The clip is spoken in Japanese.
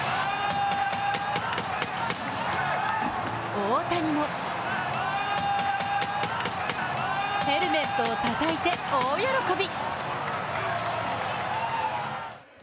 大谷もヘルメットをたたいて大喜び。